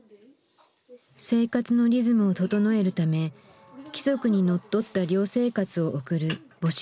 生活のリズムを整えるため規則にのっとった寮生活を送る母子寮。